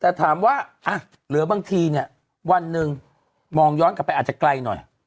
แต่ถามว่าเหลือบางทีเนี่ยวันหนึ่งมองย้อนกลับไปอาจจะไกลหน่อย